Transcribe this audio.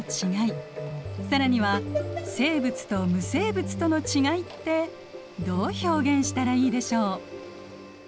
更には生物と無生物とのちがいってどう表現したらいいでしょう？